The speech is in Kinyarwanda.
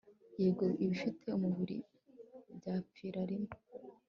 yb ibifite umubiri byapfira rimwe